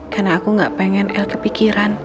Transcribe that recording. karena aku gak pengen el kepikiran